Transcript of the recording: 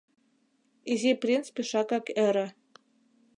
Изи принц пешакак ӧрӧ.